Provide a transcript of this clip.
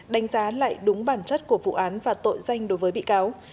đánh giá lại đúng bản chất của vụ án và tội danh đối với bị cáo